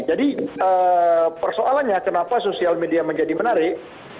jadi persoalannya kenapa sosial media menjadi menarik